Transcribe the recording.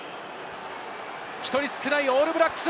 １人少ないオールブラックス！